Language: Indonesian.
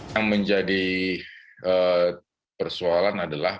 yang menjadi persoalan adalah